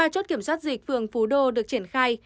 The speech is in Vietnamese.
ba chốt kiểm soát dịch phường phú đô được triển khai